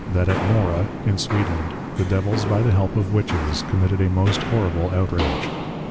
That at Mohra in Sweedland, the \Devils\ by the help of \Witches\, committed a most horrible outrage.